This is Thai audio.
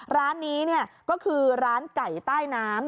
ร้านนี้ก็คือร้านไก่ใต้น้ำ